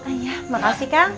ayah makasih kang